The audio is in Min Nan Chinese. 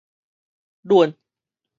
碖